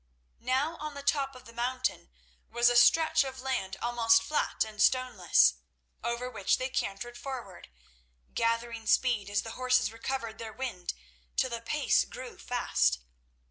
Now on the top of the mountain was a stretch of land almost flat and stoneless, over which they cantered forward, gathering speed as the horses recovered their wind till the pace grew fast.